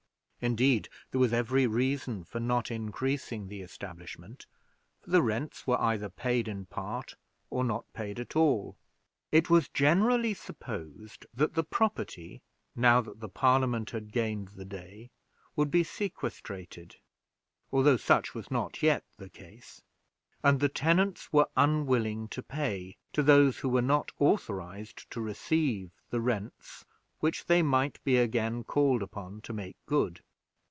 Indeed, there was every reason for not increasing the establishment, for the rents were either paid in part, or not paid at all. It was generally supposed that the property, now that the Parliament had gained the day, would be sequestrated, although such was not yet the case; and the tenants were unwilling to pay, to those who were not authorized to receive, the rents which they might be again called upon to make good.